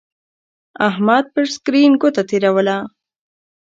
احمد پر سکرین گوته تېروله.